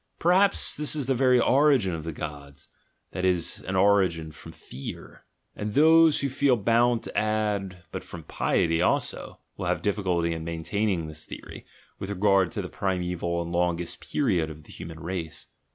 Perhaps this is the very origin of the gods, that is, an origin from fear/ And those who feel bound to add, "but from piety also," will have difficulty in maintaining this theory, with regard to the primeval and longest period of the human race.